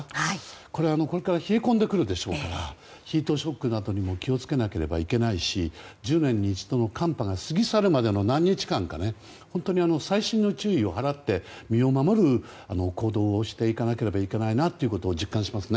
これは、これから冷え込んでくるでしょうからヒートショックなどにも気を付けなければいけないし１０年に一度の寒波が過ぎ去るまでの何日間か本当に細心の注意を払って身を守る行動をしていかなければいけないなと実感しますね。